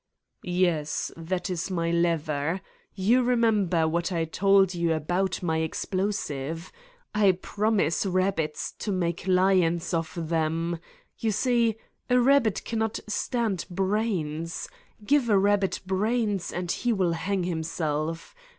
"Yes, that is my lever. You remember wha t I told you about my explosive? I promise rab bits to make lions of them. ... You sqe, a rabbit cannot stan'd brains. Give a rabbit brains and he will hang himself.